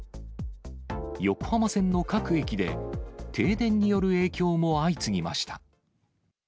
横浜線の各駅で、停電による影響も相次ぎました。